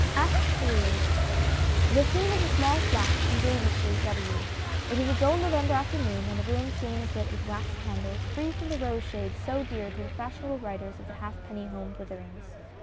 ] ACT III The scene is a small flat in Davies Street, W. It is a dull November afternoon, and the room seen is lit with wax candles, free from the "rose shades" so dear to the fashionable writers of Halfpenny Home Slitherings.